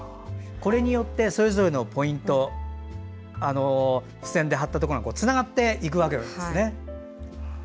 これによってそれぞれのポイント付箋で貼ったところがつながっていくわけですね。